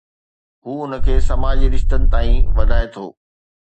هو ان کي سماجي رشتن تائين وڌائي ٿو.